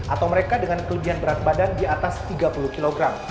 atau mereka dengan kelebihan berat badan di atas tiga puluh kg